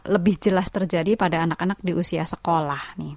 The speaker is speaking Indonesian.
lebih jelas terjadi pada anak anak di usia sekolah